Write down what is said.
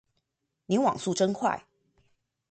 你網速真快